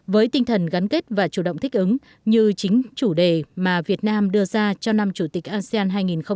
với tinh thần gắn kết và chủ động thích ứng như chính chủ đề mà việt nam đưa ra cho năm chủ tịch asean hai nghìn hai mươi